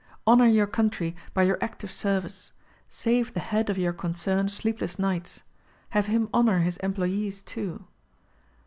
Honor your country by your active service. Save the head of your concern sleepless nights. Have him honor his employees, too.